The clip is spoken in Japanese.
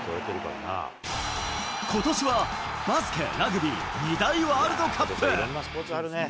ことしはバスケ、ラグビー、２大ワールドカップ。